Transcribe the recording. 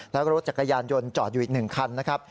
แล้วก็รถจักรยานยนต์จอดอยู่อีก๑คันนะครับ